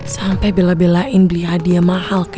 sampai bela belain beli hadiah mahal